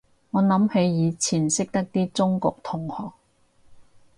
我諗起以前識得啲中國同學